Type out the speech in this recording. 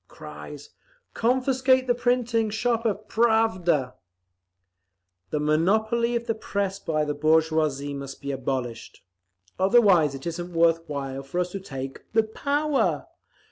(Cries, "Confiscate the printing shop of Pravda!") "The monopoly of the Press by the bourgeoisie must be abolished. Otherwise it isn't worth while for us to take the power!